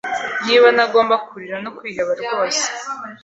Niba ntagomba kurira no kwiheba rwose